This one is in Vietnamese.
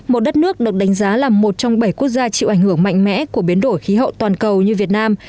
một đất nước được đánh giá là một trong bảy quốc gia chịu ảnh hưởng mạnh mẽ của biến đổi khí hậu toàn cầu như việt nam